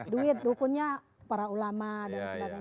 duit dukunnya para ulama dan sebagainya